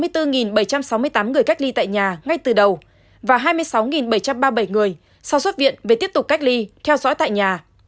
trong đó có sáu mươi sáu bảy trăm sáu mươi tám người cách ly tại nhà ngay từ đầu và hai mươi sáu bảy trăm ba mươi bảy người sau xuất viện về tiếp tục cách ly theo dõi tại nhà